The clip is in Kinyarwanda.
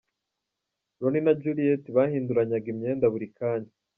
Ronnie na Juliet bahinduranyaga imyenda buri kanya.